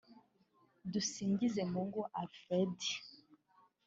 Dusingizemungu Alfred